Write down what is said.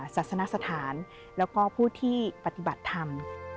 ศาสนสถานแล้วก็ผู้ที่ปฏิบัติธรรม